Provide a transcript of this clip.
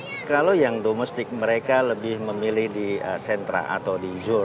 nah kalau yang domestik mereka lebih memilih di sentra atau di zul